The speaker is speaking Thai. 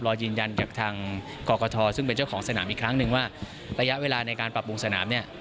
รอยืนยันจากทางกรกฐซึ่งเป็นเจ้าของสนามอีกครั้งหนึ่งว่าระยะเวลาในการปรับปรุงสนามเนี่ย